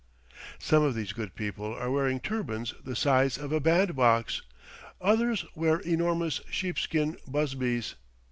Some of these good people are wearing turbans the size of a bandbox; others wear enormous sheep skin busbies.